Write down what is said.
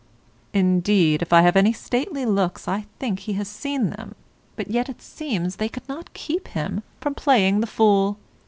Indeed, if I have any stately looks I think he has seen them, but yet it seems they could not keep him from playing the fool.